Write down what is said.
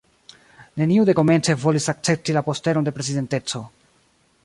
Neniu dekomence volis akcepti la postenon de prezidenteco.